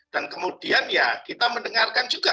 dan kemudian ya kita mendengarkan juga